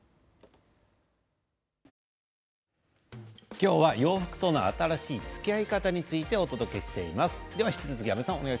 今日は洋服との新しいつきあい方についてお届けしています。